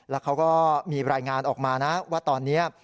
แล้วเขาก็มีรายงานออกมานะว่าตอนนี้